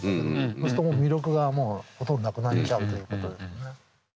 そうすると魅力がもうほとんどなくなっちゃうということですよね。